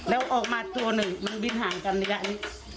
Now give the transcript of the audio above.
แล้วออกมาตัวหนึ่งมันบินห่างกันระยะนี้